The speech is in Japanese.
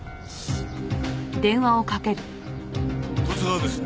十津川です。